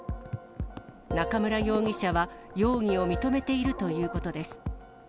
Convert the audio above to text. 中村容疑者は容疑を認めているということです。